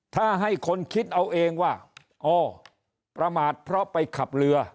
ถ้าให้คนคิดเอาเองว่าอ๋อประมาทเพราะไปขับเรือ